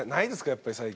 やっぱり最近。